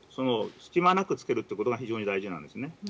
隙間なく着けるということが非常に大事なんですね。